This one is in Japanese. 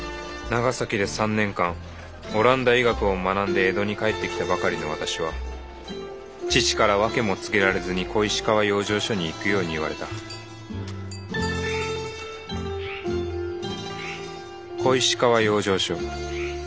長崎で３年間オランダ医学を学んで江戸に帰ってきたばかりの私は父から訳も告げられずに小石川養生所に行くように言われた小石川養生所